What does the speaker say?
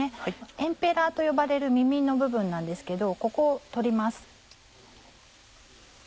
エンペラと呼ばれる耳の部分なんですけどここを取ります。